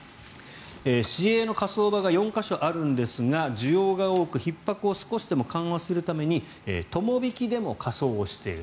市営の火葬場が４か所あるんですが需要が多くひっ迫を少しでも緩和するために友引でも火葬をしている。